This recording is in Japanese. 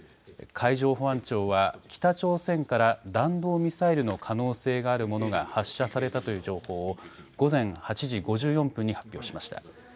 海上保安庁は北朝鮮から弾道ミサイルの可能性があるものが発射されたという情報を午前８時５４分に発表しました。